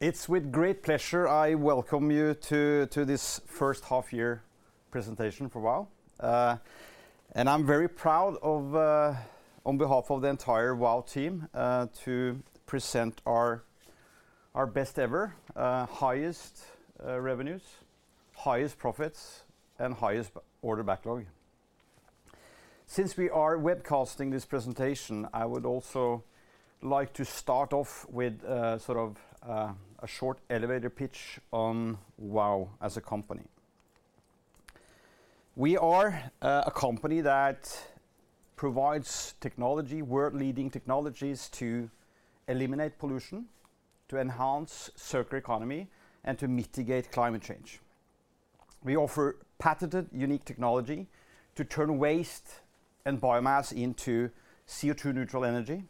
It's with great pleasure I welcome you to this first half year presentation for Vow. I'm very proud on behalf of the entire Vow team to present our best ever highest revenues, highest profits, and highest order backlog. Since we are webcasting this presentation, I would also like to start off with sort of a short elevator pitch on Vow as a company. We are a company that provides technology, world-leading technologies to eliminate pollution, to enhance circular economy, and to mitigate climate change. We offer patented unique technology to turn waste and biomass into CO2 neutral energy,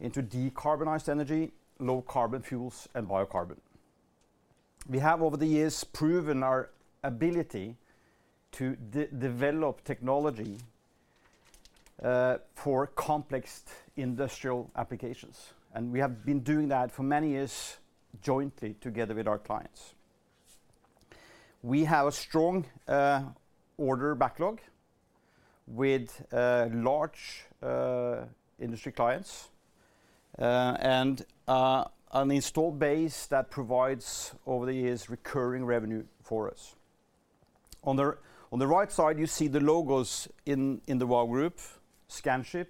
into decarbonized energy, low carbon fuels, and biocarbon. We have over the years proven our ability to develop technology for complex industrial applications, and we have been doing that for many years jointly together with our clients. We have a strong order backlog with large industry clients and an installed base that provides over the years recurring revenue for us. On the right side, you see the logos in the Vow Group, Scanship,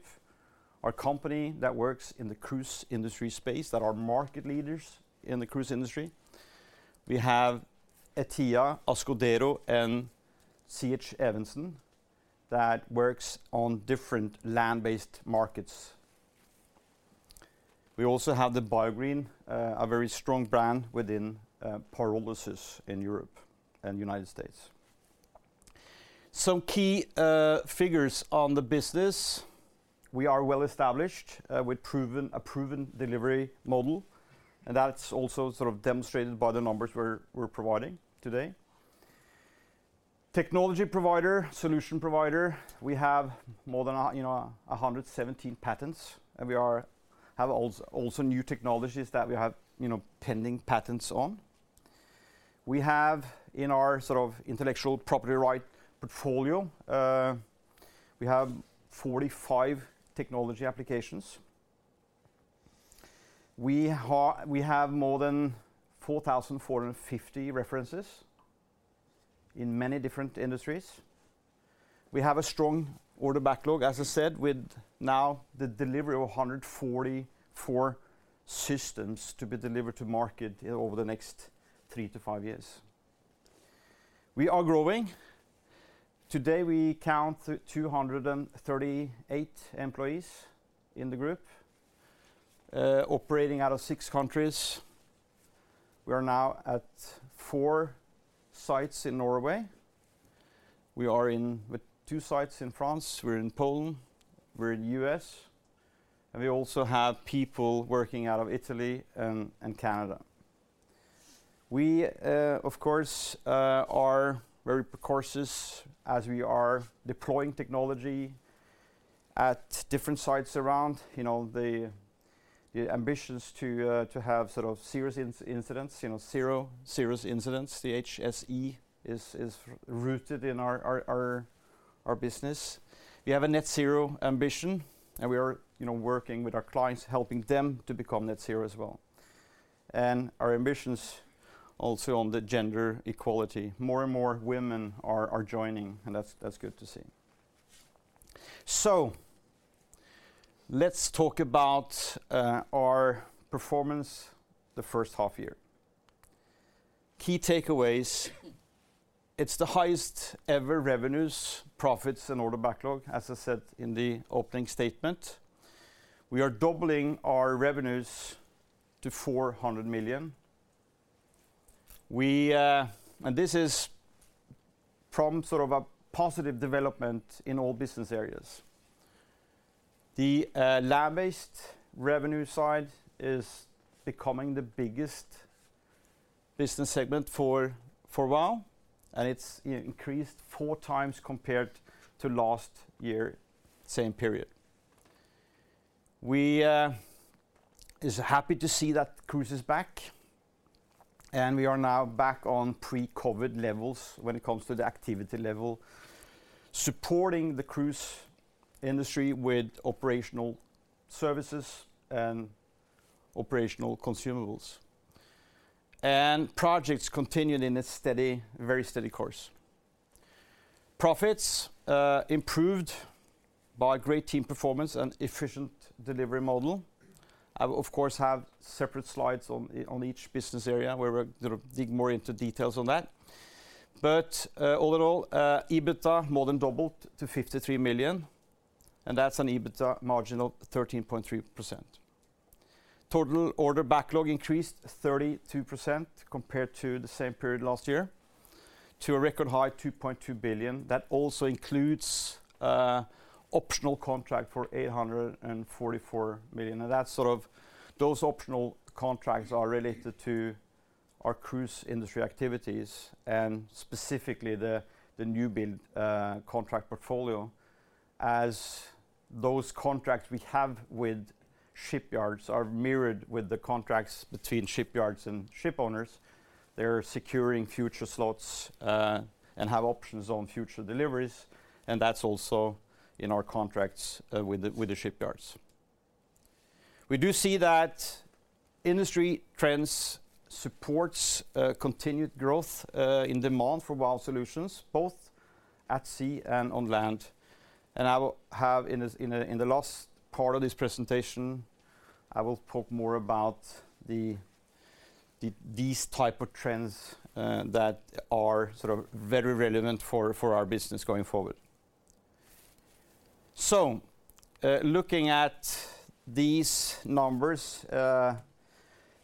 a company that works in the cruise industry space that are market leaders in the cruise industry. We have Etia, Ascodero and C.H. Evensen that works on different land-based markets. We also have the Biogreen, a very strong brand within pyrolysis in Europe and United States. Some key figures on the business. We are well established with a proven delivery model, and that's also sort of demonstrated by the numbers we're providing today. Technology provider, solution provider, we have more than 117 patents, and we have also new technologies that we have pending patents on. We have in our sort of intellectual property right portfolio, we have 45 technology applications. We have more than 4,450 references in many different industries. We have a strong order backlog, as I said, with now the delivery of 144 systems to be delivered to market over the next 3-5 years. We are growing. Today, we count 238 employees in the group, operating out of six countries. We are now at four sites in Norway. We are with two sites in France, we're in Poland, we're in the U.S., and we also have people working out of Italy and Canada. We, of course, are very cautious as we are deploying technology at different sites around, you know, the ambitions to have sort of zero incidents, you know, zero serious incidents. The HSE is rooted in our business. We have a net zero ambition, and we are, you know, working with our clients, helping them to become net zero as well. Our ambitions also on the gender equality. More and more women are joining, and that's good to see. Let's talk about our performance the first half year. Key takeaways, it's the highest ever revenues, profits and order backlog, as I said in the opening statement. We are doubling our revenues to 400 million. This is from sort of a positive development in all business areas. The land-based revenue side is becoming the biggest business segment for a while, and it's increased 4 times compared to last year, same period. We is happy to see that cruise is back, and we are now back on pre-COVID levels when it comes to the activity level, supporting the cruise industry with operational services and operational consumables. Projects continued in a steady, very steady course. Profits improved by great team performance and efficient delivery model. I of course have separate slides on each business area where we're gonna dig more into details on that. Overall, EBITDA more than doubled to 53 million, and that's an EBITDA margin of 13.3%. Total order backlog increased 32% compared to the same period last year to a record high 2.2 billion. That also includes optional contract for 844 million. Now that's sort of those optional contracts are related to our cruise industry activities and specifically the new build contract portfolio as those contracts we have with shipyards are mirrored with the contracts between shipyards and ship owners. They're securing future slots and have options on future deliveries, and that's also in our contracts with the shipyards. We do see that industry trends supports continued growth in demand for Vow solutions, both at sea and on land. I will, in the last part of this presentation, talk more about these type of trends that are sort of very relevant for our business going forward. Looking at these numbers,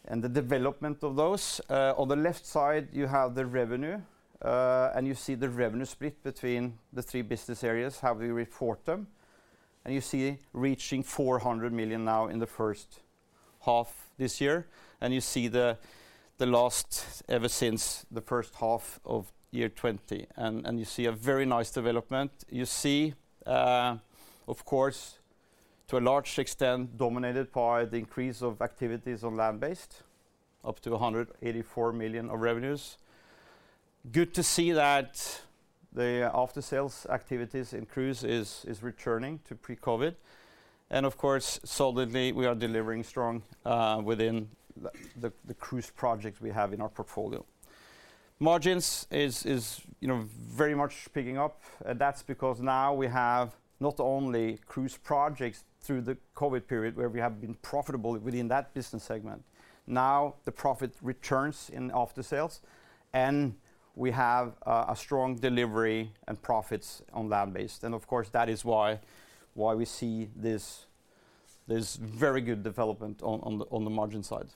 and the development of those, on the left side, you have the revenue, and you see the revenue split between the three business areas, how we report them. You see reaching 400 million now in the first half this year, and you see the last ever since the first half of 2020. You see a very nice development. You see, of course, to a large extent dominated by the increase of activities on land-based, up to 184 million of revenues. Good to see that the after sales activities in cruise is returning to pre-COVID. Of course, solidly, we are delivering strong, within the cruise project we have in our portfolio. Margins is, you know, very much picking up. That's because now we have not only cruise projects through the COVID period, where we have been profitable within that business segment. Now, the profit returns in after sales, and we have a strong delivery and profits on land-based. Of course, that is why we see this very good development on the margin side.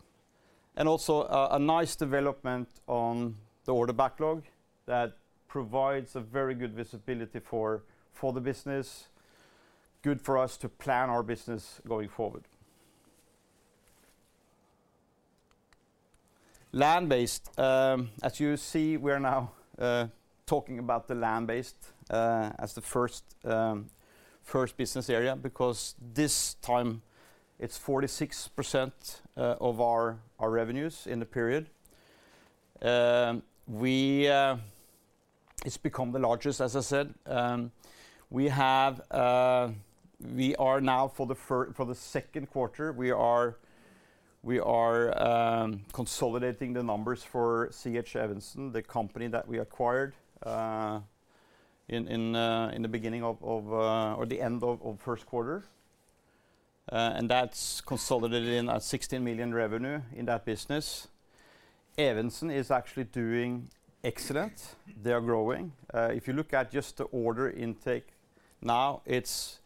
Also a nice development on the order backlog that provides a very good visibility for the business. Good for us to plan our business going forward. Land-based, as you see, we're now talking about the land-based as the first business area, because this time, it's 46% of our revenues in the period. It's become the largest, as I said. We are now consolidating for the second quarter the numbers for C.H. Evensen, the company that we acquired in the end of first quarter. That's consolidated in 16 million revenue in that business. Evensen is actually doing excellent. They are growing. If you look at just the order intake now, it's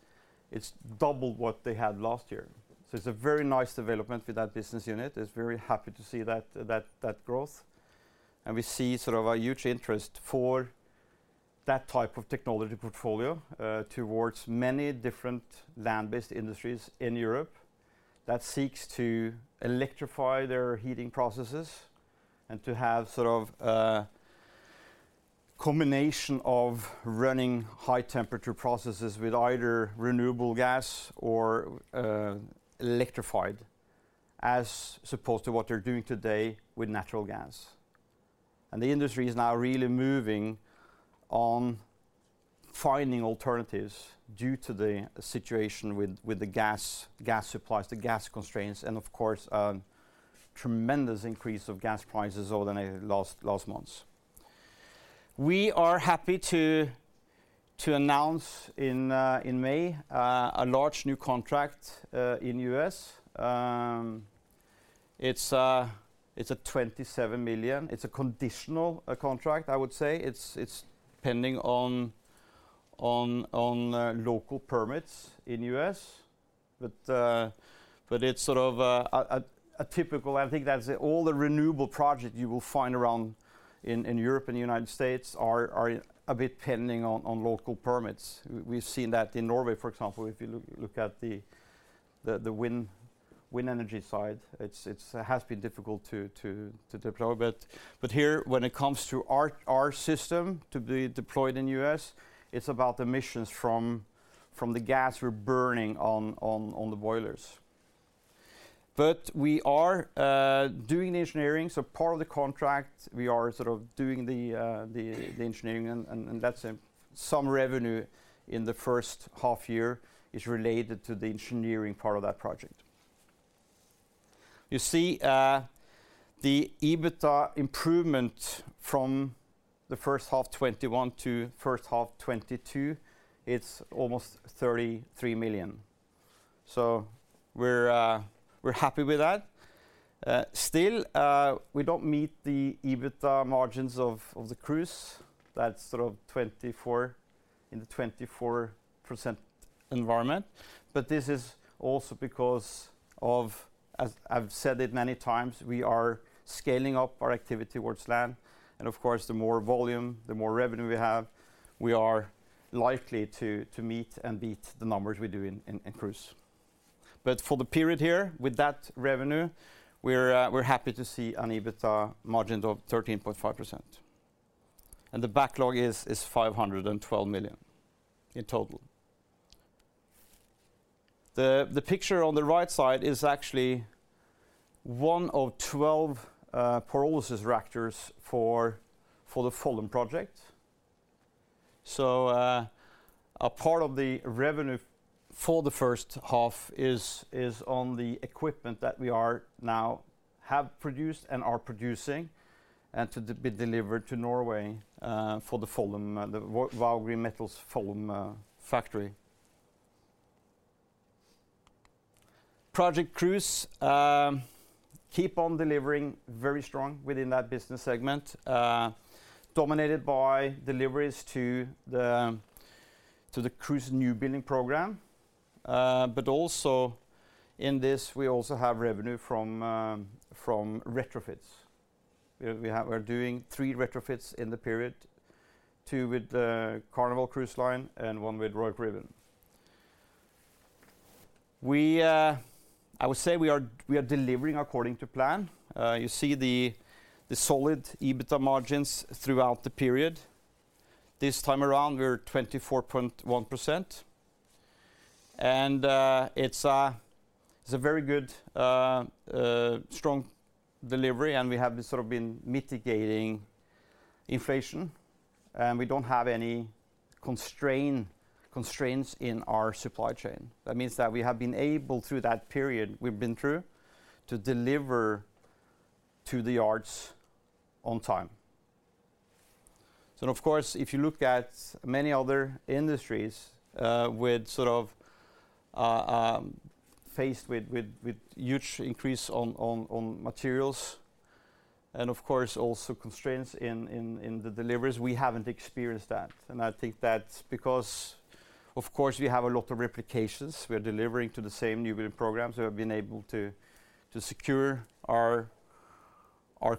double what they had last year. It's a very nice development with that business unit. It's very happy to see that growth. We see sort of a huge interest for that type of technology portfolio towards many different land-based industries in Europe that seeks to electrify their heating processes and to have sort of combination of running high temperature processes with either renewable gas or electrified, as opposed to what they're doing today with natural gas. The industry is now really moving on finding alternatives due to the situation with the gas supplies, the gas constraints, and of course, tremendous increase of gas prices over the last months. We are happy to announce in May a large new contract in the U.S. It's a $27 million conditional contract, I would say. It's pending on local permits in the U.S. It's sort of a typical. I think that's all the renewable project you will find around in Europe and United States are a bit pending on local permits. We've seen that in Norway, for example, if you look at the wind energy side, it's. It has been difficult to deploy. Here, when it comes to our system to be deployed in U.S., it's about emissions from the gas we're burning on the boilers. We are doing the engineering. Part of the contract, we are sort of doing the engineering and that's. Some revenue in the first half year is related to the engineering part of that project. You see, the EBITDA improvement from the first half 2021 to first half 2022, it's almost 33 million. We're happy with that. Still, we don't meet the EBITDA margins of the cruise. That's sort of 24, in the 24% environment. This is also because of, as I've said it many times, we are scaling up our activity towards land. Of course, the more volume, the more revenue we have, we are likely to meet and beat the numbers we do in cruise. For the period here, with that revenue, we're happy to see an EBITDA margin of 13.5%. The backlog is 512 million in total. The picture on the right side is actually one of 12 pyrolysis reactors for the Follum project. A part of the revenue for the first half is on the equipment that we have produced and are producing, and to be delivered to Norway, for the Follum, the Vow Green Metals Follum, factory. Project Cruise keep on delivering very strong within that business segment, dominated by deliveries to the Cruise new building program. But also in this, we also have revenue from retrofits. We're doing three retrofits in the period, two with the Carnival Cruise Line and one with Royal Caribbean. I would say we are delivering according to plan. You see the solid EBITDA margins throughout the period. This time around, we're 24.1%. It's a very good strong delivery, and we have sort of been mitigating inflation. We don't have any constraints in our supply chain. That means that we have been able, through that period we've been through, to deliver to the yards on time. Of course, if you look at many other industries faced with huge increase on materials and of course, also constraints in the deliveries, we haven't experienced that. I think that's because of course, we have a lot of replications. We're delivering to the same new building programs. We have been able to secure our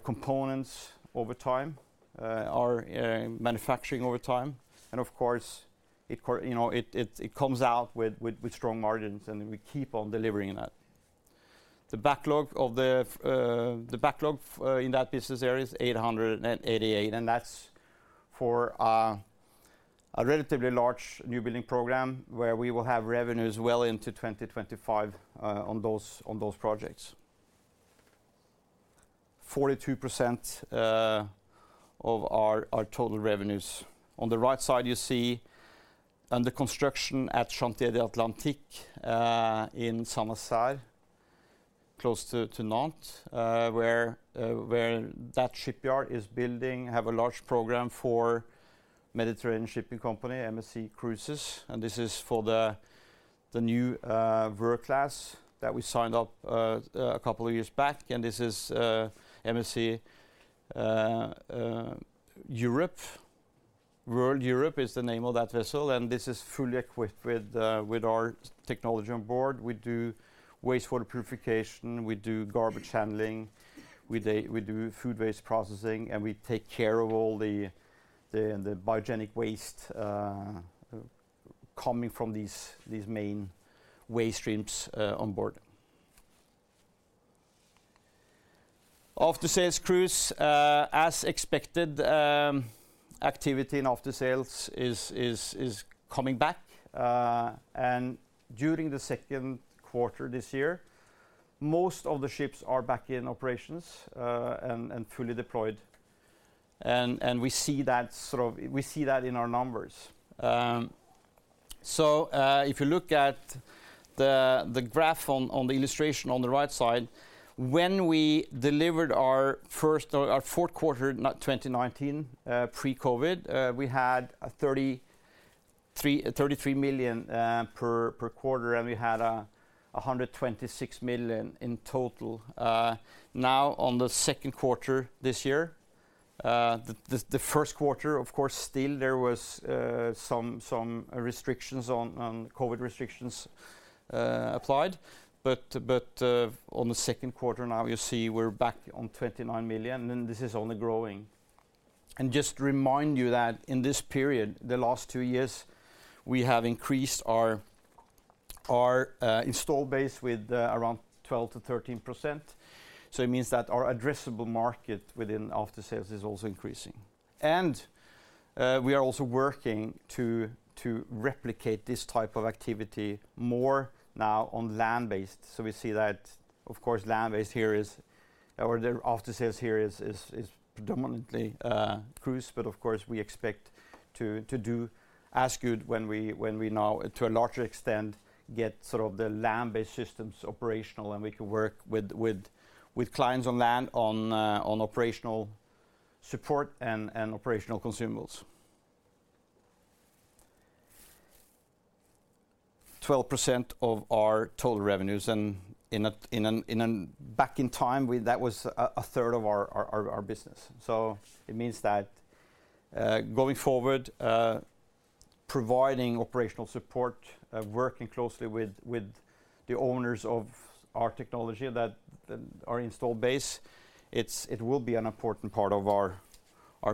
components over time, our manufacturing over time. Of course, it comes out with strong margins, and we keep on delivering that. The backlog in that business area is 888, and that's for a relatively large new building program where we will have revenues well into 2025 on those projects. 42% of our total revenues. On the right side, you see under construction at Chantiers de l'Atlantique in Saint-Nazaire, close to Nantes, where that shipyard is building, have a large program for Mediterranean Shipping Company, MSC Cruises. This is for the new World Class that we signed up a couple of years back. This is MSC World Europa. World Europa is the name of that vessel, and this is fully equipped with our technology on board. We do wastewater purification, we do garbage handling, we do food waste processing, and we take care of all the biogenic waste coming from these main waste streams on board. After-sales cruise, as expected, activity in after-sales is coming back. During the second quarter this year, most of the ships are back in operations and fully deployed. We see that in our numbers. If you look at the graph on the illustration on the right side, when we delivered our fourth quarter in 2019 pre-COVID, we had 33 million per quarter, and we had 126 million in total. Now on the second quarter this year, the first quarter, of course, still there was some restrictions on COVID restrictions applied. On the second quarter now, you see we're back on 29 million, and this is only growing. Just to remind you that in this period, the last two years, we have increased our installed base with around 12%-13%. It means that our addressable market within after sales is also increasing. We are also working to replicate this type of activity more now on land-based. We see that, of course, land-based here is, or the after sales here is predominantly cruise. Of course, we expect to do as well when we now, to a larger extent, get sort of the land-based systems operational, and we can work with clients on land on operational support and operational consumables. 12% of our total revenues, and back in time, that was a third of our business. It means that, going forward, providing operational support, working closely with the owners of our technology that our install base, it will be an important part of our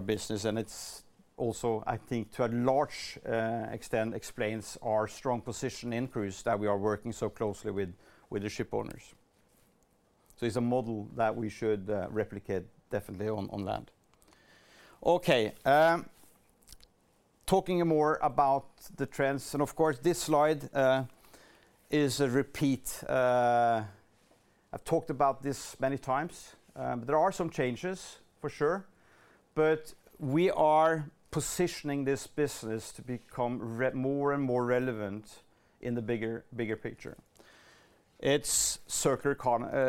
business and it's also, I think, to a large extent explains our strong position in cruise that we are working so closely with the shipowners. It's a model that we should replicate definitely on land. Okay. Talking more about the trends, of course, this slide is a repeat. I've talked about this many times, but there are some changes for sure. We are positioning this business to become more and more relevant in the bigger picture. It's circular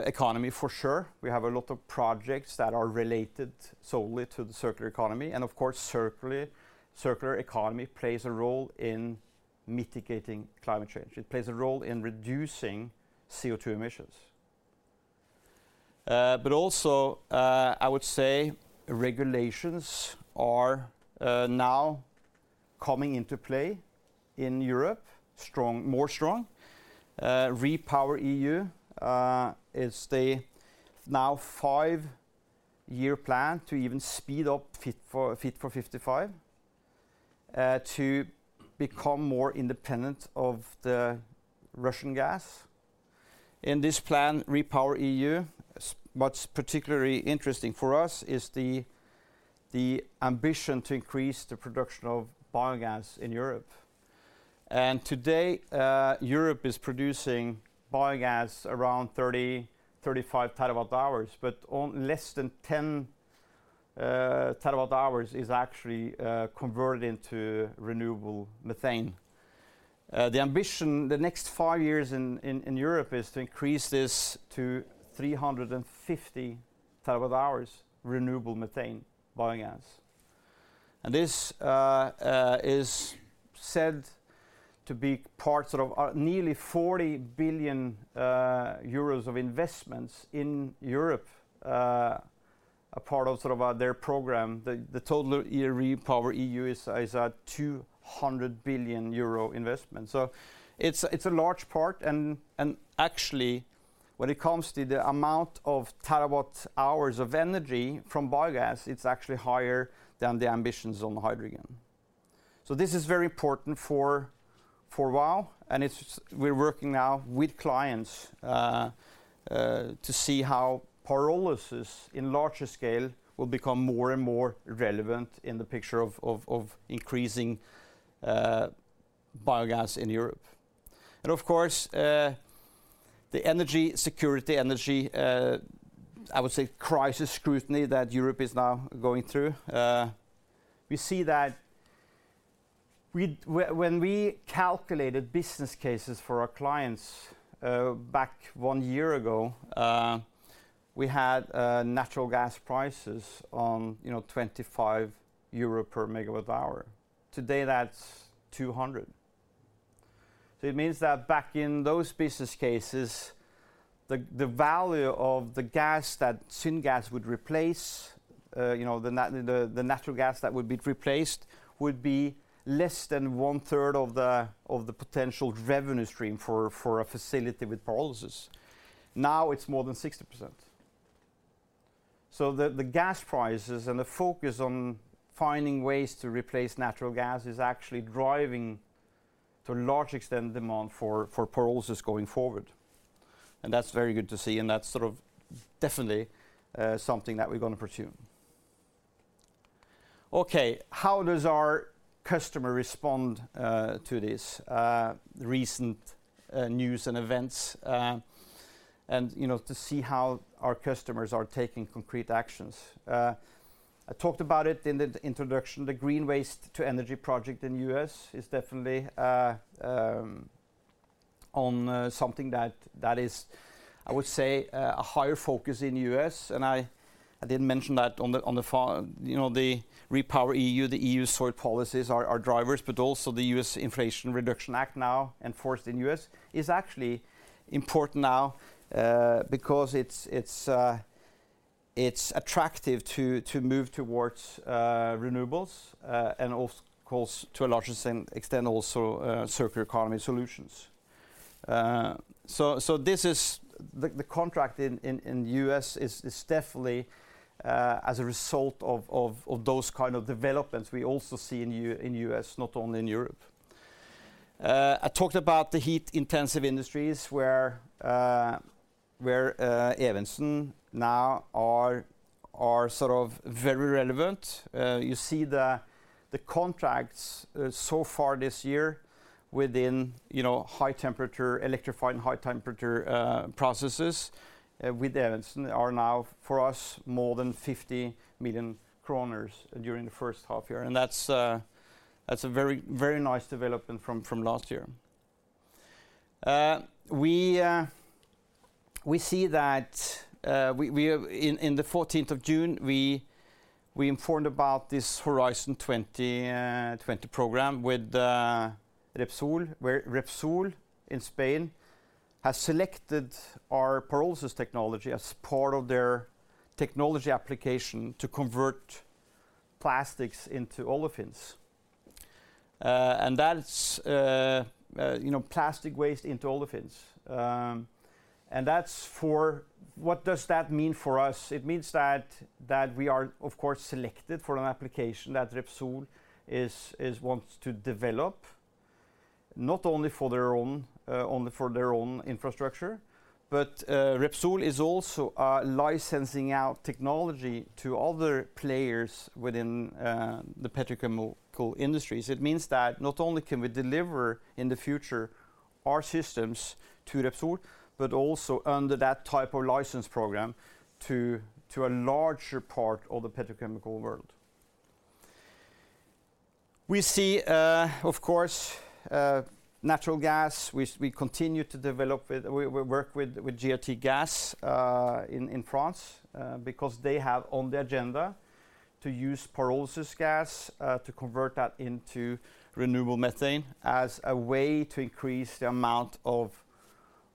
economy for sure. We have a lot of projects that are related solely to the circular economy, and of course, circular economy plays a role in mitigating climate change. It plays a role in reducing CO2 emissions. But also, I would say regulations are now coming into play in Europe, stronger. REPowerEU is the new five-year plan to even speed up Fit for 55, to become more independent of the Russian gas. In this plan, REPowerEU, what's particularly interesting for us is the ambition to increase the production of biogas in Europe. Today, Europe is producing biogas around 35 terawatt-hours, but less than 10 terawatt-hours is actually converted into renewable methane. The ambition the next five years in Europe is to increase this to 350 terawatt-hours renewable methane biogas. This is said to be part, sort of, nearly 40 billion euros of investments in Europe, a part of sort of their program. The total REPowerEU is a 200 billion euro investment. It's a large part and actually when it comes to the amount of terawatt-hours of energy from biogas, it's actually higher than the ambitions on the hydrogen. This is very important for Vow, and we're working now with clients to see how pyrolysis in larger scale will become more and more relevant in the picture of increasing biogas in Europe. Of course, the energy security energy crisis scrutiny that Europe is now going through, we see that when we calculated business cases for our clients back one year ago, we had natural gas prices on, you know, 25 euro per MWh. Today that's 200. It means that back in those business cases, the value of the gas that syngas would replace, you know, the natural gas that would be replaced would be less than one-third of the potential revenue stream for a facility with pyrolysis. Now it's more than 60%. The gas prices and the focus on finding ways to replace natural gas is actually driving to a large extent demand for pyrolysis going forward. That's very good to see, and that's sort of definitely something that we're gonna pursue. Okay. How does our customer respond to this recent news and events, and you know, to see how our customers are taking concrete actions? I talked about it in the introduction, the Green Waste to Energy project in U.S. is definitely on something that is, I would say, a higher focus in U.S. I didn't mention that you know, the REPowerEU, the EU ESG policies are drivers, but also the U.S. Inflation Reduction Act now enforced in U.S. is actually important now because it's attractive to move towards renewables, and of course to a larger extent also circular economy solutions. This is the contract in U.S. is definitely as a result of those kind of developments we also see in U.S., not only in Europe. I talked about the heat-intensive industries where Evensen now are sort of very relevant. You see the contracts so far this year within, you know, high temperature, electrified and high temperature processes with Evensen are now for us more than 50 million kroner during the first half year. That's a very nice development from last year. We see that in the fourteenth of June, we informed about this Horizon 2020 program with Repsol, where Repsol in Spain has selected our pyrolysis technology as part of their technology application to convert plastics into olefins. That's, you know, plastic waste into olefins. What does that mean for us? It means that we are of course selected for an application that Repsol wants to develop not only for their own infrastructure, but Repsol is also licensing out technology to other players within the petrochemical industries. It means that not only can we deliver in the future our systems to Repsol, but also under that type of license program to a larger part of the petrochemical world. We see, of course, natural gas. We work with GRTgaz in France because they have on the agenda to use pyrolysis gas to convert that into renewable methane as a way to increase the amount of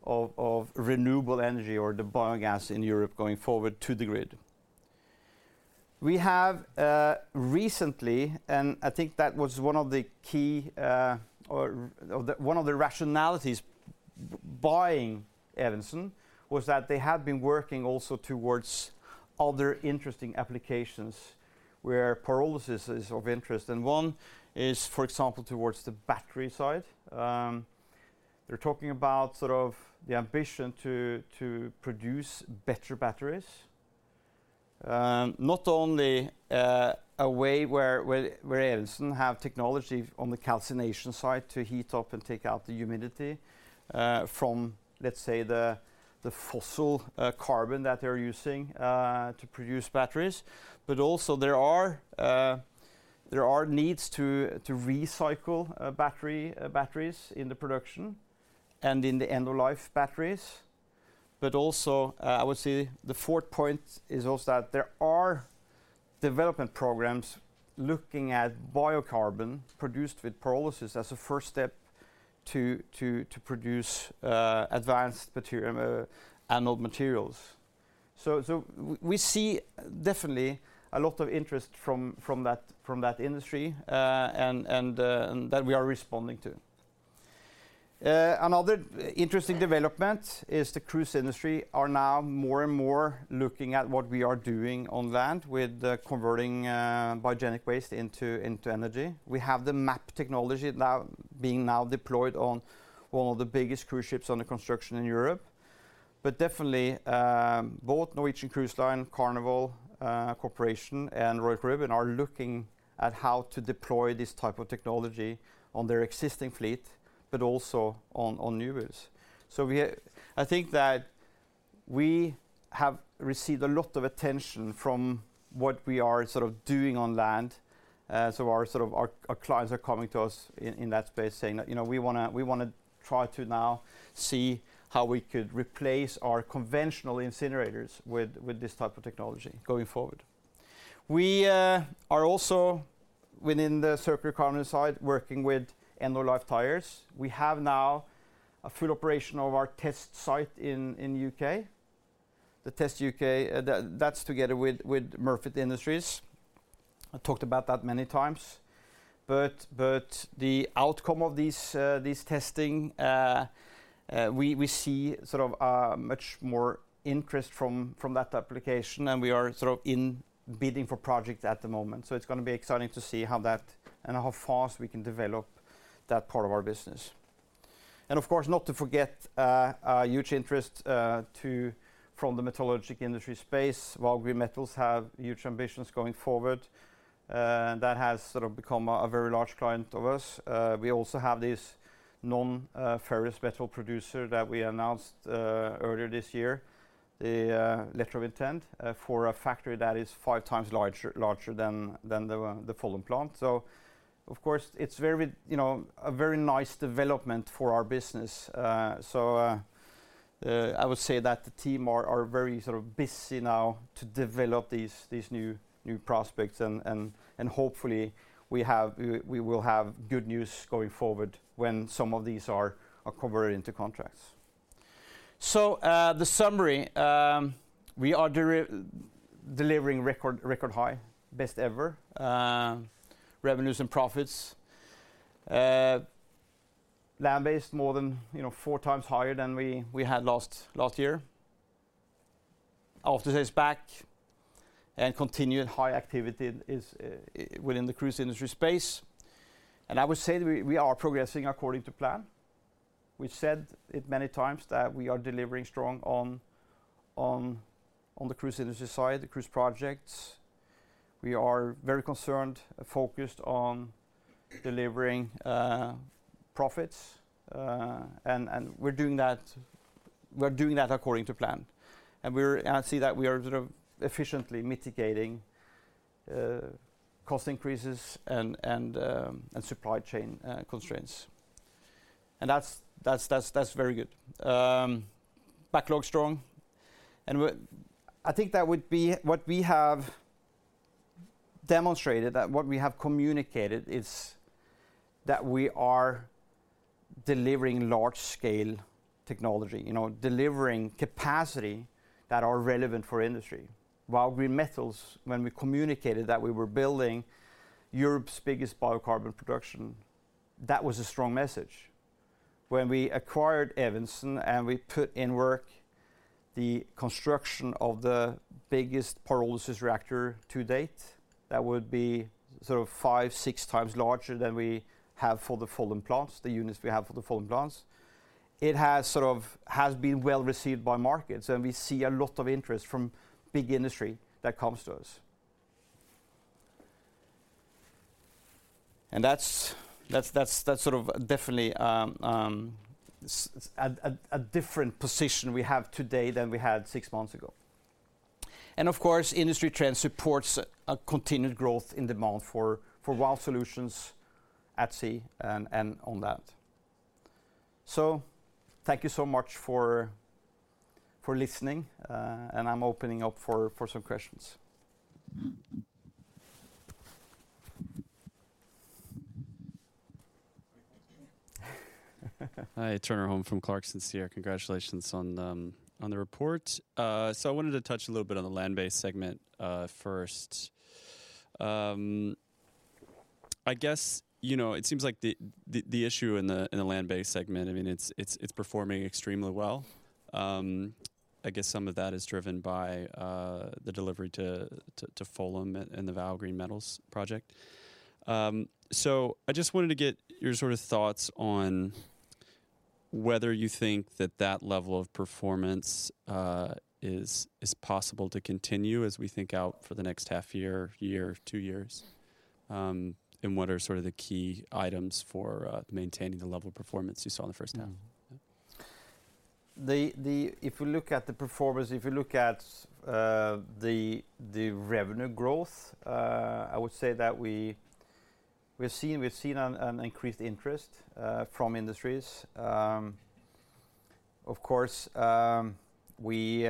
renewable energy or the biogas in Europe going forward to the grid. We have recently, and I think that was one of the key rationalities buying Evensen was that they have been working also towards other interesting applications where pyrolysis is of interest. One is, for example, towards the battery side. They're talking about sort of the ambition to produce better batteries. Not only a way where Evensen have technology on the calcination side to heat up and take out the humidity from, let's say, the fossil carbon that they're using to produce batteries, but also there are needs to recycle batteries in the production and in the end-of-life batteries. I would say the fourth point is also that there are development programs looking at biocarbon produced with pyrolysis as a first step to produce advanced material anode materials. We see definitely a lot of interest from that industry and that we are responding to. Another interesting development is the cruise industry are now more and more looking at what we are doing on land with converting biogenic waste into energy. We have the MAP technology now being deployed on one of the biggest cruise ships under construction in Europe. Definitely, both Norwegian Cruise Line, Carnival Corporation, and Royal Caribbean are looking at how to deploy this type of technology on their existing fleet, but also on new builds. We, I think that we have received a lot of attention from what we are sort of doing on land. Our clients are coming to us in that space saying that, "You know, we wanna try to now see how we could replace our conventional incinerators with this type of technology going forward." We are also within the circular carbon side working with end-of-life tires. We have now a full operation of our test site in U.K. The test site in U.K. that's together with Murfitts Industries. I talked about that many times. The outcome of these tests, we see sort of much more interest from that application, and we are sort of in bidding for projects at the moment. It's gonna be exciting to see how that and how fast we can develop that part of our business. Of course, not to forget, a huge interest from the metallurgic industry space. Vow Green Metals have huge ambitions going forward, and that has sort of become a very large client of us. We also have this non-ferrous metal producer that we announced earlier this year, the letter of intent for a factory that is five times larger than the Follum plant. Of course, it's very, you know, a very nice development for our business. I would say that the team are very sort of busy now to develop these new prospects and hopefully we will have good news going forward when some of these are converted into contracts. The summary, we are delivering record high, best ever revenues and profits. Land-based more than, you know, four times higher than we had last year. Aftersales back and continued high activity is within the cruise industry space. I would say we are progressing according to plan. We said it many times that we are delivering strong on the cruise industry side, the cruise projects. We are very concerned and focused on delivering profits, and we're doing that according to plan. I see that we are sort of efficiently mitigating cost increases and supply chain constraints. That's very good. Backlog strong. I think that would be what we have demonstrated, that what we have communicated is that we are delivering large-scale technology, you know, delivering capacity that are relevant for industry. While Green Metals, when we communicated that we were building Europe's biggest biocarbon production, that was a strong message. When we acquired Evensen, and we put in work the construction of the biggest pyrolysis reactor to date, that would be sort of 5-6 times larger than we have for the Follum plants, the units we have for the Follum plants. It has sort of has been well-received by markets, and we see a lot of interest from big industry that comes to us. That's sort of definitely a different position we have today than we had six months ago. Of course, industry trend supports a continued growth in demand for Vow solutions at sea and on land. Thank you so much for listening, and I'm opening up for some questions. Hi, Turner Holm from Clarksons Securities. Congratulations on the report. I wanted to touch a little bit on the land-based segment first. I guess, you know, it seems like the issue in the land-based segment, I mean, it's performing extremely well. I guess some of that is driven by the delivery to Follum and the Vow Green Metals project. I just wanted to get your sort of thoughts on whether you think that that level of performance is possible to continue as we think out for the next half year, two years, and what are sort of the key items for maintaining the level of performance you saw in the first half? If you look at the performance, if you look at the revenue growth, I would say that we have seen an increased interest from industries. Of course, we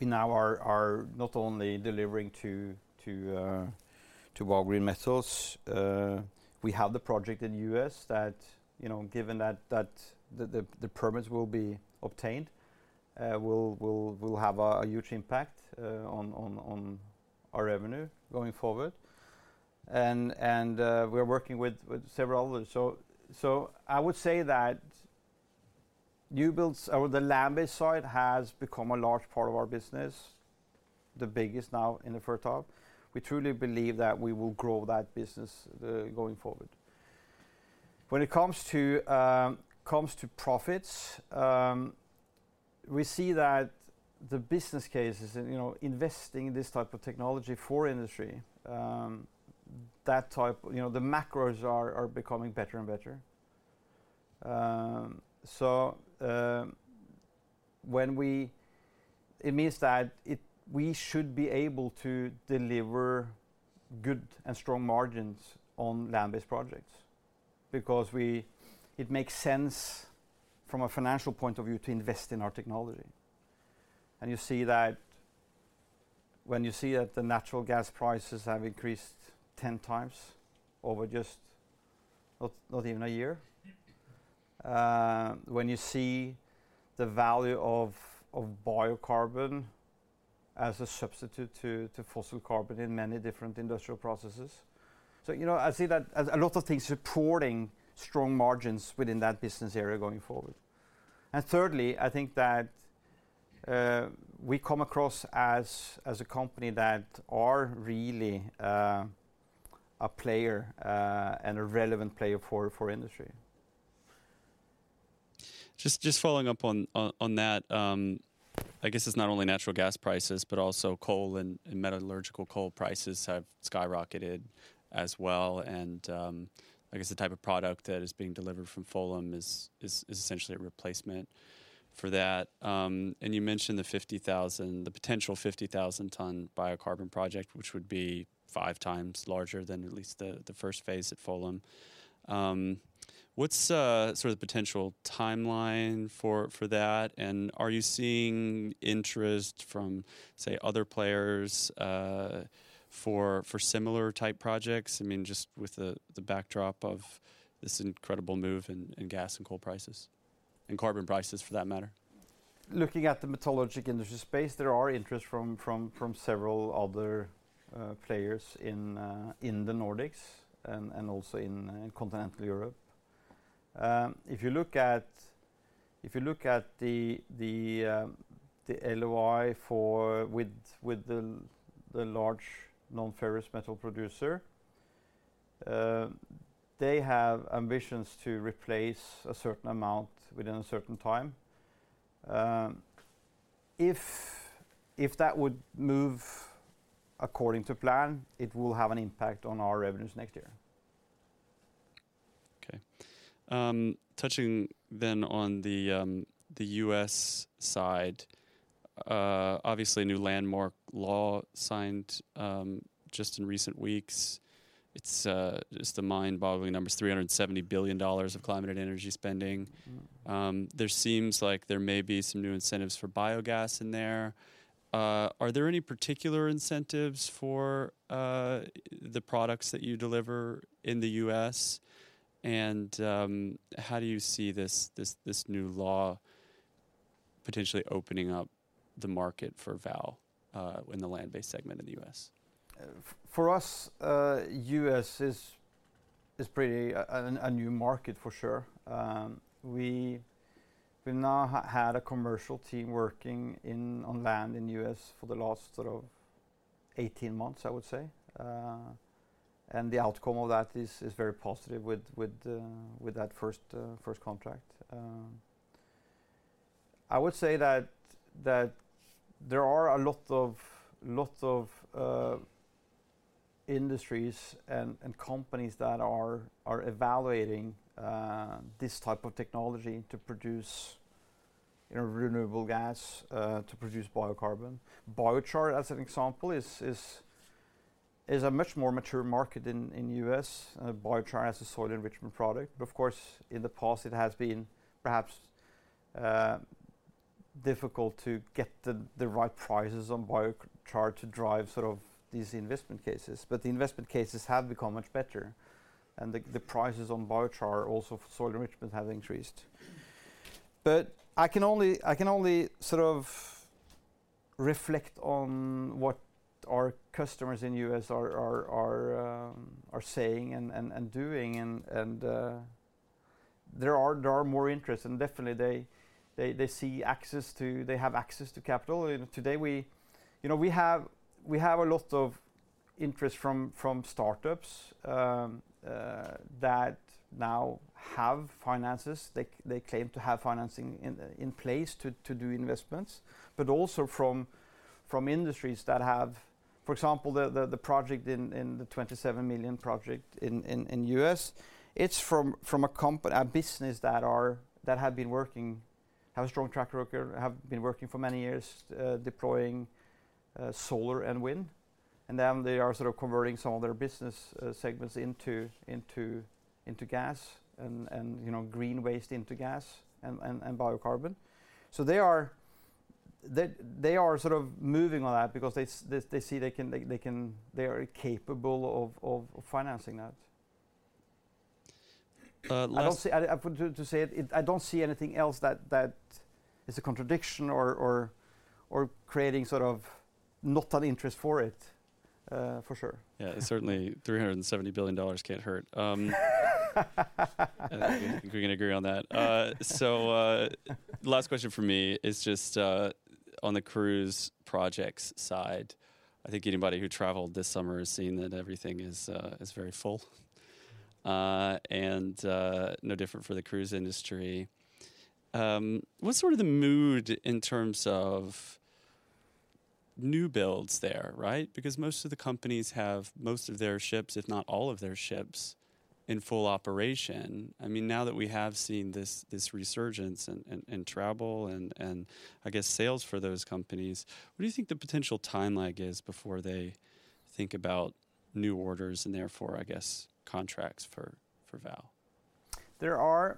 now are not only delivering to Vow Green Metals, we have the project in the US that, you know, given that the permits will be obtained, will have a huge impact on our revenue going forward. We're working with several others. I would say that new builds or the land-based side has become a large part of our business, the biggest now in the first half. We truly believe that we will grow that business going forward. When it comes to profits, we see that the business cases and, you know, investing in this type of technology for industry, you know, the macros are becoming better and better. It means that we should be able to deliver good and strong margins on land-based projects because it makes sense from a financial point of view to invest in our technology. You see that when you see that the natural gas prices have increased ten times over just not even a year. When you see the value of biocarbon as a substitute to fossil carbon in many different industrial processes. You know, I see that as a lot of things supporting strong margins within that business area going forward. Thirdly, I think that we come across as a company that are really a player and a relevant player for industry. Just following up on that, I guess it's not only natural gas prices, but also coal and metallurgical coal prices have skyrocketed as well. I guess the type of product that is being delivered from Follum is essentially a replacement for that. You mentioned the potential 50,000-ton biocarbon project, which would be five times larger than at least the first phase at Follum. What's sort of the potential timeline for that? Are you seeing interest from, say, other players for similar type projects? I mean, just with the backdrop of this incredible move in gas and coal prices, and carbon prices for that matter. Looking at the metallurgic industry space, there are interest from several other players in the Nordics and also in continental Europe. If you look at the LOI with the large non-ferrous metal producer, they have ambitions to replace a certain amount within a certain time. If that would move according to plan, it will have an impact on our revenues next year. Okay. Touching then on the U.S. side, obviously a new landmark law signed just in recent weeks. It's just the mind-boggling numbers, $370 billion of climate and energy spending. There seems like there may be some new incentives for biogas in there. Are there any particular incentives for the products that you deliver in the U.S.? How do you see this new law potentially opening up the market for Vow in the land-based segment in the U.S.? For us, the U.S. is a pretty new market for sure. We now had a commercial team working on land in the U.S. for the last sort of 18 months, I would say. The outcome of that is very positive with that first contract. I would say that there are a lot of industries and companies that are evaluating this type of technology to produce, you know, renewable gas to produce biocarbon. Biochar, as an example, is a much more mature market in the U.S. Biochar as a soil enrichment product. But of course, in the past it has been perhaps difficult to get the right prices on biochar to drive sort of these investment cases. The investment cases have become much better, and the prices on biochar also for soil enrichment have increased. I can only sort of reflect on what our customers in U.S. are saying and doing and there are more interest and definitely they see access to, they have access to capital. You know, today we you know we have a lot of interest from startups that now have finances. They claim to have financing in place to do investments, but also from industries that have, for example, the $27 million project in the U.S. It's from a business that have been working, have a strong track record, have been working for many years, deploying solar and wind. They are sort of converting some of their business segments into gas and biocarbon. They are sort of moving on that because they see they can, they are capable of financing that. Uh, last- I don't see anything else that is a contradiction or creating sort of not an interest for it, for sure. Yeah. Certainly $370 billion can't hurt. I think we can agree on that. Last question from me is just on the cruise projects side. I think anybody who traveled this summer has seen that everything is very full. No different for the cruise industry. What's sort of the mood in terms of new builds there, right? Because most of the companies have most of their ships, if not all of their ships, in full operation. I mean, now that we have seen this resurgence in travel and I guess sales for those companies, what do you think the potential timeline is before they think about new orders and therefore, I guess, contracts for Vow?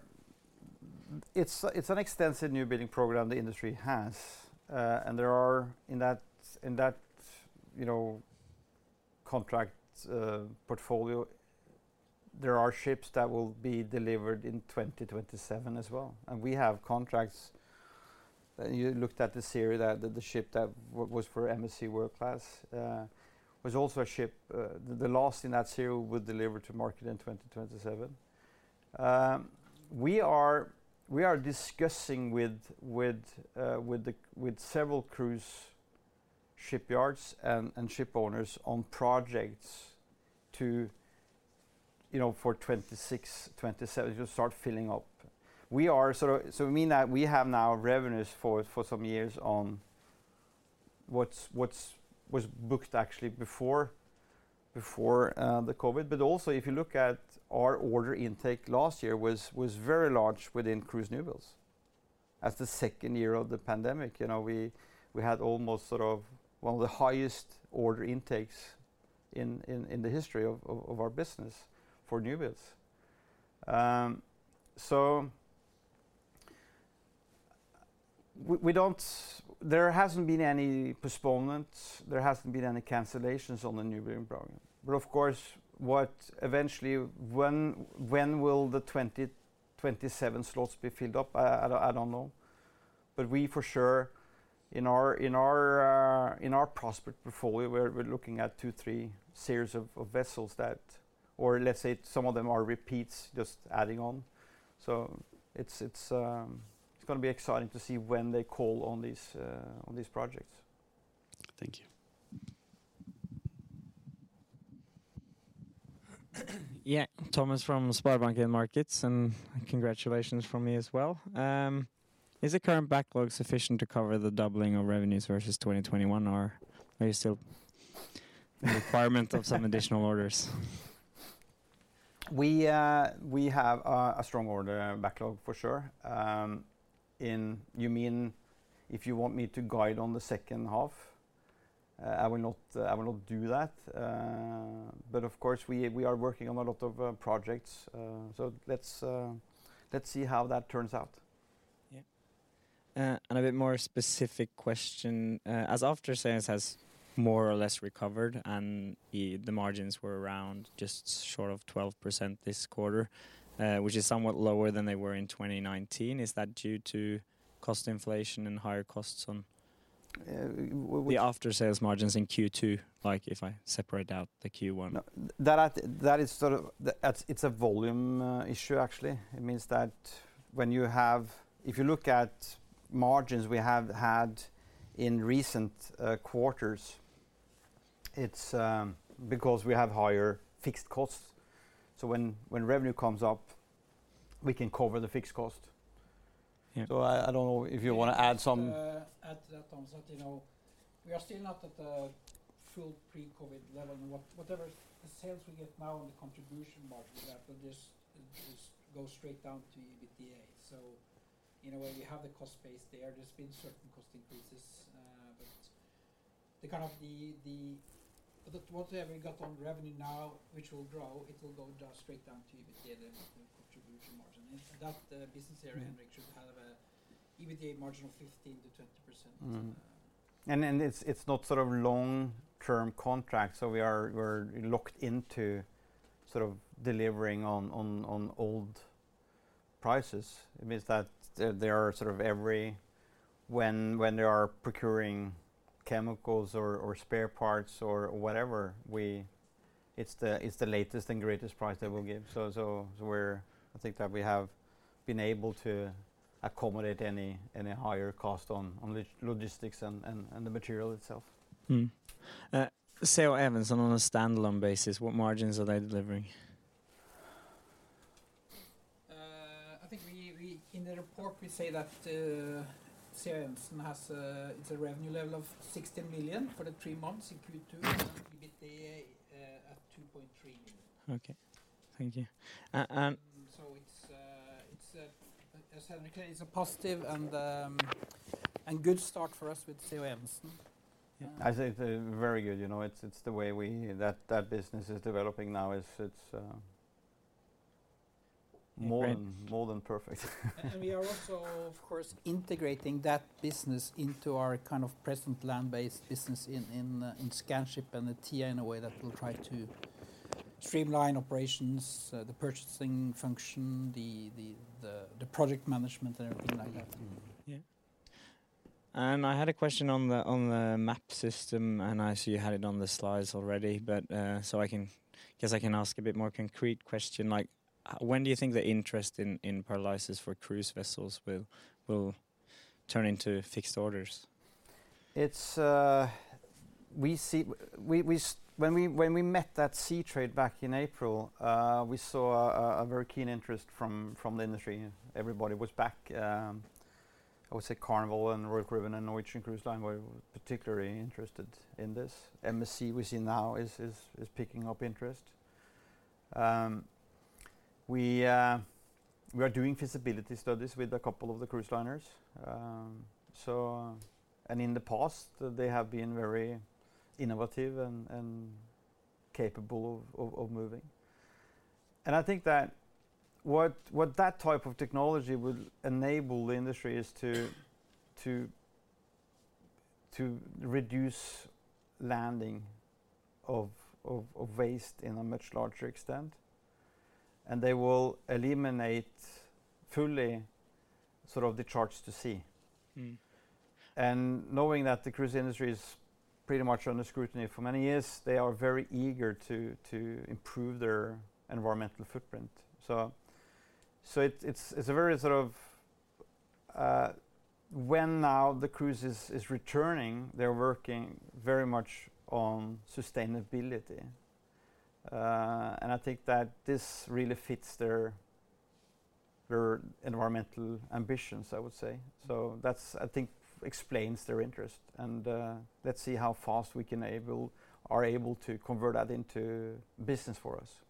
It's an extensive new building program the industry has. There are in that you know contract portfolio ships that will be delivered in 2027 as well. We have contracts. You looked at the series that the ship that was for MSC World Class was also a ship the last in that series we delivered to market in 2027. We are discussing with several cruise shipyards and ship owners on projects to you know for 2026 2027 to start filling up. We mean that we have now revenues for some years on what was booked actually before the COVID. Also if you look at our order intake last year was very large within cruise new builds. As the second year of the pandemic, we had almost sort of one of the highest order intakes in the history of our business for new builds. There hasn't been any postponements, there hasn't been any cancellations on the new build program. Of course, what eventually, when will the 2027 slots be filled up? I don't know. We for sure in our prospect portfolio, we're looking at 2, 3 series of vessels that, or let's say some of them are repeats just adding on. It's gonna be exciting to see when they call on these projects. Thank you. Thomas from SpareBank 1 Markets, and congratulations from me as well. Is the current backlog sufficient to cover the doubling of revenues versus 2021, or are you still in requirement of some additional orders? We have a strong order backlog for sure. You mean if you want me to guide on the second half? I will not do that. Of course, we are working on a lot of projects. Let's see how that turns out. A bit more specific question. As Aftersales has more or less recovered and the margins were around just short of 12% this quarter, which is somewhat lower than they were in 2019, is that due to cost inflation and higher costs on- Uh, w-w-we- The aftersales margins in Q2, like if I separate out the Q1. No, that is sort of the issue, actually. It means that if you look at margins we have had in recent quarters, it's because we have higher fixed costs. When revenue comes up, we can cover the fixed cost. Yeah. I don't know if you want to add some. To add to that, Henrik, you know, we are still not at the full pre-COVID level. Whatever the sales we get now and the contribution margins that will just go straight down to EBITDA. In a way, we have the cost base there. There's been certain cost increases, but whatever we get on revenue now, which will grow, it will go straight down to EBITDA, the contribution margin. That business area, Henrik, should have an EBITDA margin of 15%-20%. It's not sort of long-term contract, so we're locked into sort of delivering on old prices. It means that when they are procuring chemicals or spare parts or whatever, it's the latest and greatest price that we'll give. So I think that we have been able to accommodate any higher cost on logistics and the material itself. C.H. Evensen and on a standalone basis, what margins are they delivering? I think, in the report, we say that C.H. Evensen has. It's a revenue level of 60 million for the three months in Q2 and EBITDA at 2.3 million. Okay. Thank you. As Henrik said, it's a positive and good start for us with C.H. Evensen. Yeah. I say it's very good. You know, it's the way that business is developing now is it's Great More than perfect. We are also, of course, integrating that business into our kind of present land-based business in Scanship and Etia in a way that will try to streamline operations, the purchasing function, the project management and everything like that. Mm-hmm. Yeah. I had a question on the MAP system, and I see you had it on the slides already. I guess I can ask a bit more concrete question, like, when do you think the interest in pyrolysis for cruise vessels will turn into fixed orders? When we met that Seatrade back in April, we saw a very keen interest from the industry. Everybody was back. I would say Carnival and Royal Caribbean and Norwegian Cruise Line were particularly interested in this. MSC, we see now, is picking up interest. We are doing feasibility studies with a couple of the cruise liners. In the past, they have been very innovative and capable of moving. I think that what that type of technology would enable the industry is to reduce landing of waste in a much larger extent, and they will eliminate fully sort of the discharge to sea. Mm-hmm. Knowing that the cruise industry is pretty much under scrutiny for many years, they are very eager to improve their environmental footprint. Now when the cruise is returning, they are working very much on sustainability. I think that this really fits their environmental ambitions, I would say. That explains their interest, and let's see how fast we are able to convert that into business for us.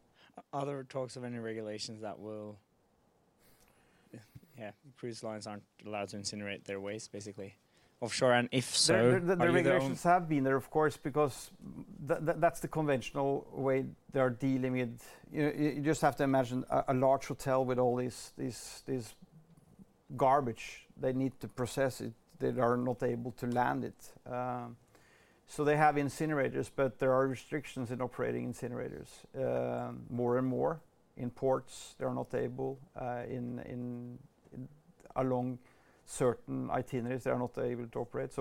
Are there other talks of any regulations that will. Yeah. Cruise lines aren't allowed to incinerate their waste basically offshore, and if so, are there any- The regulations have been there, of course, because that's the conventional way they are dealing with. You just have to imagine a large hotel with all this garbage. They need to process it. They are not able to land it. They have incinerators, but there are restrictions in operating incinerators, more and more. In ports, they are not able. Along certain itineraries, they are not able to operate.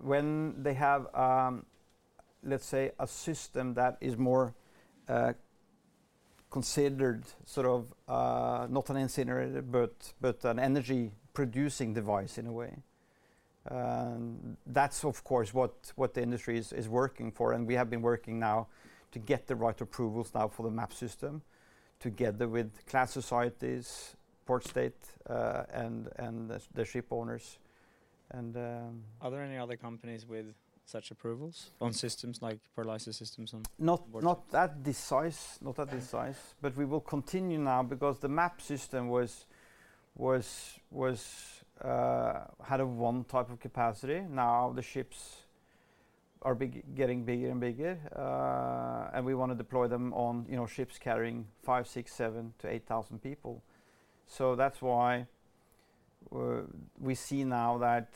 When they have, let's say, a system that is more considered sort of not an incinerator, but an energy-producing device in a way, that's of course what the industry is working for. We have been working now to get the right approvals now for the MAP system, together with class societies, port state, and the ship owners. Are there any other companies with such approvals on systems like pyrolysis systems on board ships? Not at this size. We will continue now because the MAP system had one type of capacity. Now, the ships are getting bigger and bigger. And we want to deploy them on, you know, ships carrying 5, 6, 7-8,000 people. That's why we see now that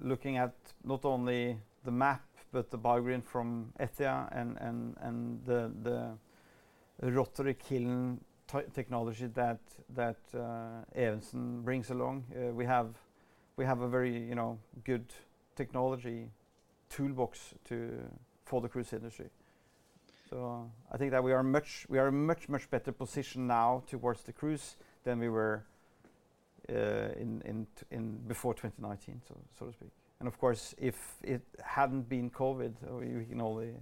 looking at not only the MAP but the Biogreen from Etia and the rotary kiln technology that Evensen brings along. We have a very, you know, good technology toolbox for the cruise industry. I think that we are in much better position now towards the cruise than we were in before 2019, so to speak. Of course, if it hadn't been COVID, or you can only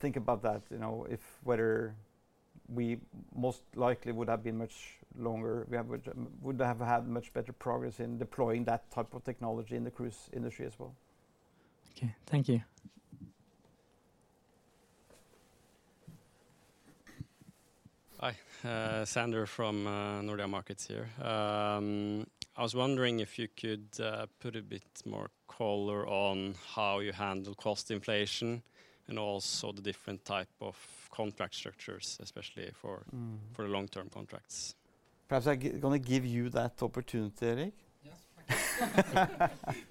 think about that, you know, if whether we most likely would have been much longer, would have had much better progress in deploying that type of technology in the cruise industry as well. Okay. Thank you. Hi. Sander from Nordea Markets here. I was wondering if you could put a bit more color on how you handle cost inflation and also the different type of contract structures, especially for- Mm for the long-term contracts. Perhaps I gonna give you that opportunity, Erik. Yes. Thank you. He's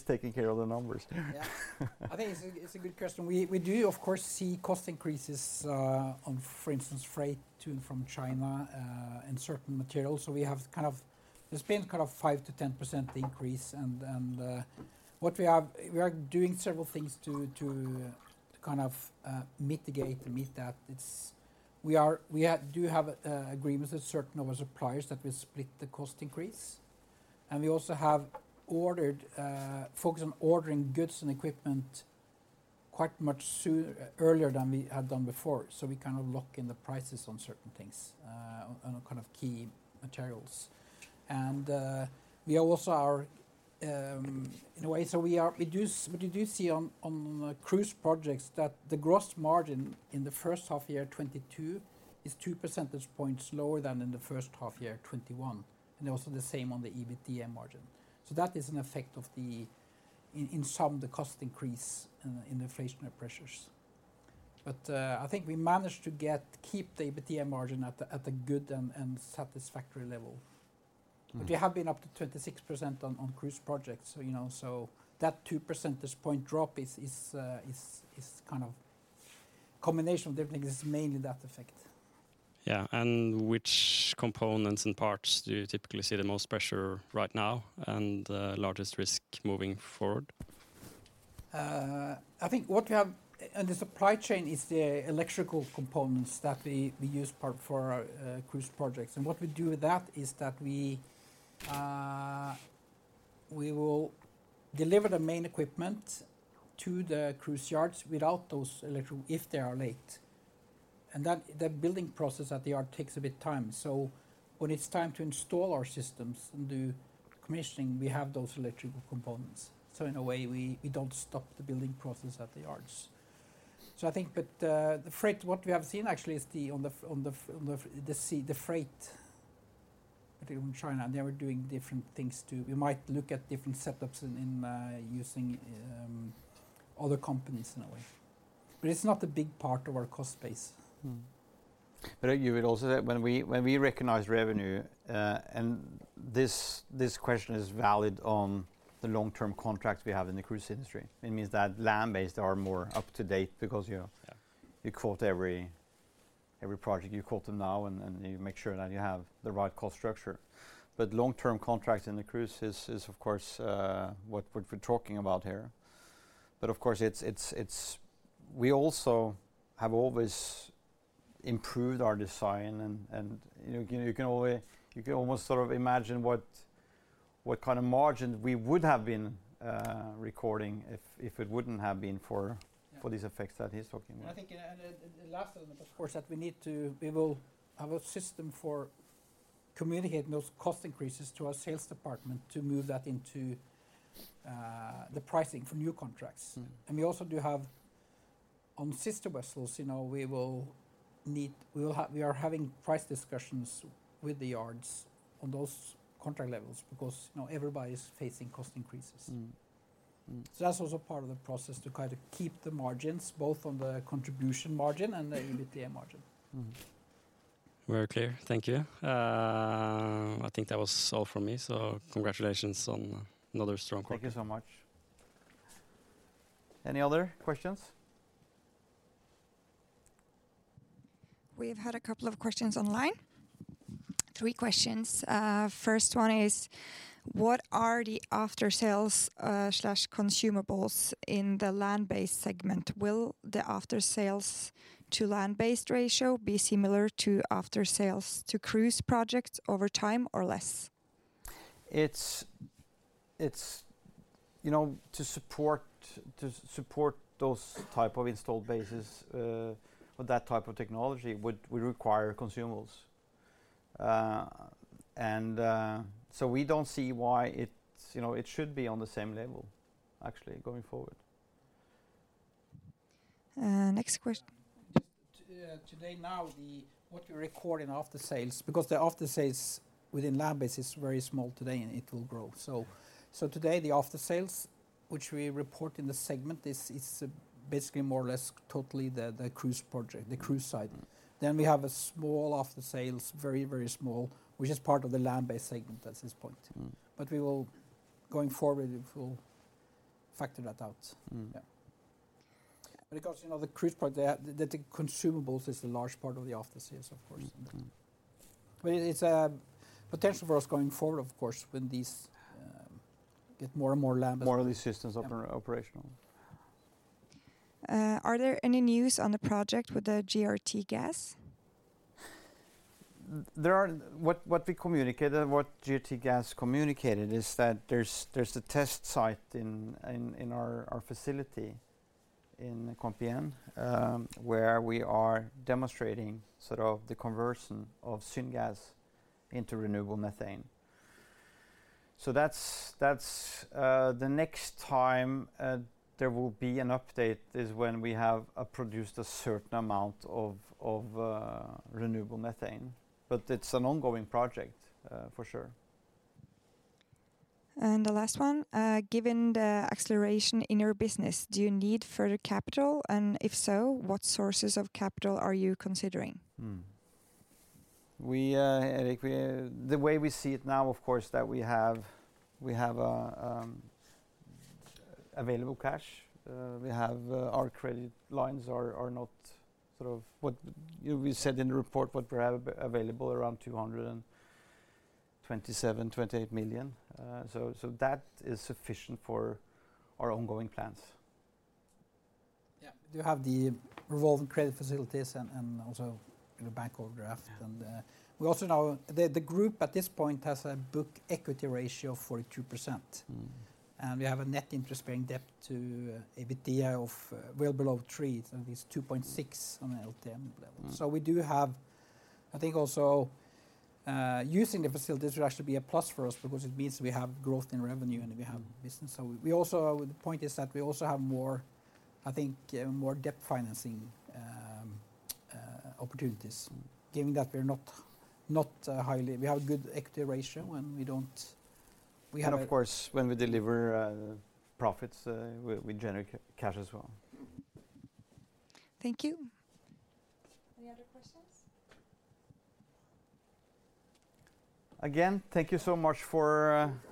taking care of the numbers. Yeah. I think it's a good question. We do of course see cost increases, for instance, on freight to and from China, and certain materials. There's been kind of 5%-10% increase. We are doing several things to kind of mitigate and meet that. We do have agreements with certain of our suppliers that we split the cost increase. We also have focused on ordering goods and equipment quite much sooner than we had done before. We kind of lock in the prices on certain things, on a kind of key materials. We also are in a way. We do see on cruise projects that the gross margin in the first half year 2022 is two percentage points lower than in the first half year 2021, and also the same on the EBITDA margin. That is an effect of, in sum, the cost increase and the inflationary pressures. I think we managed to keep the EBITDA margin at a good and satisfactory level. Mm-hmm. We have been up to 36% on cruise projects. You know, that two percentage point drop is kind of combination of different things. It's mainly that effect. Yeah. Which components and parts do you typically see the most pressure right now and largest risk moving forward? I think what we have, and the supply chain is the electrical components that we use part for our cruise projects. What we do with that is that we will deliver the main equipment to the cruise yards without those electrical, if they are late. The building process at the yard takes a bit time. When it's time to install our systems and do commissioning, we have those electrical components. In a way, we don't stop the building process at the yards. I think the freight, what we have seen actually is the sea freight from China, they were doing different things to. We might look at different setups using other companies in a way. It's not a big part of our cost base. When we recognize revenue, and this question is valid on the long-term contracts we have in the cruise industry. It means that land-based are more up-to-date because, you know Yeah You quote every project, you quote them now, and you make sure that you have the right cost structure. Long-term contracts in the cruise is of course what we're talking about here. Of course, it's we also have always improved our design and you can almost sort of imagine what kind of margin we would have been recording if it wouldn't have been for- Yeah For these effects that he's talking about. I think the last element, of course, that we need to. We will have a system for communicating those cost increases to our sales department to move that into the pricing for new contracts. Mm. We also do have on sister vessels, you know, we will need, we are having price discussions with the yards on those contract levels because, you know, everybody is facing cost increases. Mm. Mm. That's also part of the process to kind of keep the margins both on the contribution margin and the EBITDA margin. Mm-hmm. Very clear. Thank you. I think that was all from me, so congratulations on another strong quarter. Thank you so much. Any other questions? We've had a couple of questions online. 3 questions. First one is, what are the after-sales slash consumables in the land-based segment? Will the after-sales to land-based ratio be similar to after-sales to cruise projects over time or less? It's, you know, to support those type of installed bases, or that type of technology would require consumables. We don't see why it's, you know, it should be on the same level, actually, going forward. Next question. Just today, now, what you record in after-sales, because the after-sales within land-based is very small today, and it will grow. Today, the after-sales, which we report in the segment, is basically more or less totally the cruise project, the cruise side. We have a small after-sales, very small, which is part of the land-based segment at this point. Mm. We will, going forward, factor that out. Mm. Yeah. Because, you know, the cruise part, they have the consumables is a large part of the after sales, of course. Mm-hmm. It is potential for us going forward, of course, when these get more and more lamb- More of these systems operational. Are there any news on the project with the GRTgaz? What we communicated, what GRTgaz communicated, is that there's a test site in our facility in Compiègne, where we are demonstrating sort of the conversion of syngas into renewable methane. That's the next time there will be an update is when we have produced a certain amount of renewable methane. It's an ongoing project, for sure. The last one. Given the acceleration in your business, do you need further capital? If so, what sources of capital are you considering? Eric, the way we see it now, of course, that we have available cash. Our credit lines are not sort of what we said in the report, what we have available, around 227-228 million. So that is sufficient for our ongoing plans. Yeah. We do have the revolving credit facilities and also the bank overdraft. Yeah. We also now the group at this point has a book equity ratio of 42%. Mm. We have a net interest-bearing debt to EBITDA of well below 3. It is 2.6 on an LTM level. Mm. We do have, I think, also using the facilities would actually be a plus for us because it means we have growth in revenue, and we have business. The point is that we also have more, I think, more debt financing opportunities. Given that we're not highly. We have good equity ratio, and we don't. Of course, when we deliver profits, we generate cash as well. Thank you. Any other questions? Again, thank you so much for. Thank you for that.